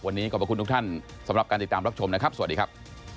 วันนี้ขอบคุณทุกท่านสำหรับการติดตามรับชมนะครับสวัสดีครับ